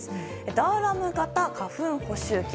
ダーラム型花粉捕集器。